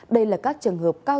đây là các trường hợp cao tính